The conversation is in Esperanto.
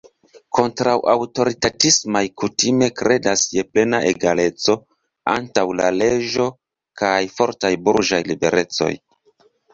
Kontraŭ-aŭtoritatismaj kutime kredas je plena egaleco antaŭ la leĝo kaj fortaj burĝaj liberecoj.